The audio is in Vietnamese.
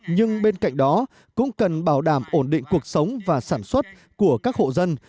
nhưng bên cạnh đó cũng cần bảo đảm ổn định cuộc sống và sản xuất của các hộ dân